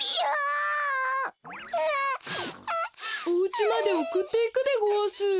おうちまでおくっていくでごわす。